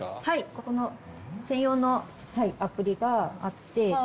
はい専用のアプリがあって。